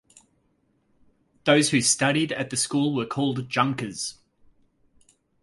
Those who studied at the school were called junkers.